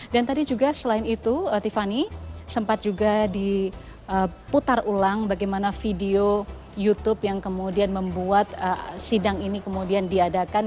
dan tadi juga selain itu tiffany sempat juga diputar ulang bagaimana video youtube yang kemudian membuat sidang ini kemudian diadakan